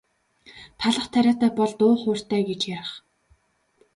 Талх тариатай бол дуу хууртай гэж ярих.